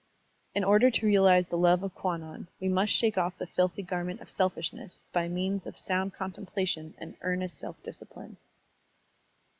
In order to realize the love of Kwannon, we must shake off the filthy garment of selfishness by means of sound contemplation and earnest self discipline.